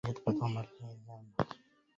وسيد قد عمرتني أنعمه